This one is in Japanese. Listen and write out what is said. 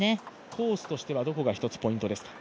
コースとしてはどこが一つポイントですか？